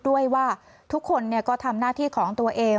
ด้วยว่าทุกคนก็ทำหน้าที่ของตัวเอง